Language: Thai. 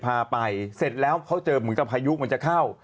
พาไปเสร็จแล้วเขาเจอเหมือนกับพายุมันจะเข้า